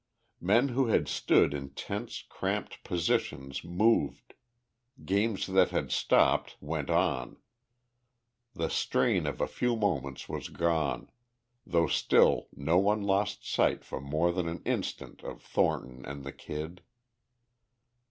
Men who had stood in tense, cramped positions moved, games that had stopped went on. The strain of a few moments was gone, though still no one lost sight for more than an instant of Thornton and the Kid.